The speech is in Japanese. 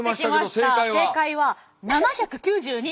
正解は７９２。